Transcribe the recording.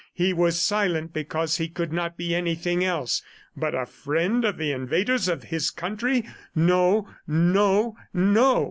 He was silent because he could not be anything else. ... But a friend of the invaders of his country! ... No, NO, NO!